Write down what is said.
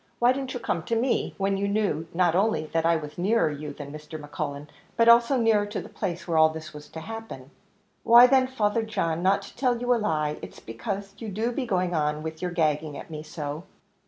why didn't you come to me, eh when you knew, not only that I was nearer you than Mr. Cullen, but also nearer to the place where all this was to happen?" "Why then, Father John, not to tell you a lie, it is because you do be going on with your gagging at me so."